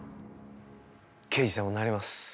刑事さんもなれます。